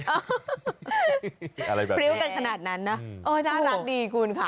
อะไรแบบพริ้วกันขนาดนั้นนะโอ้น่ารักดีคุณค่ะ